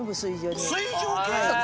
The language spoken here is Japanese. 水上警察？